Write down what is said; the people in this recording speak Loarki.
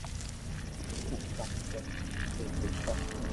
ھون ڪاوُ ڪارو اپ تو سھي ڪر